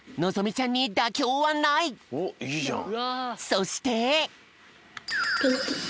そして。